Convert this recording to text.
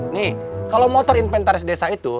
nih kalau motor inventaris desa itu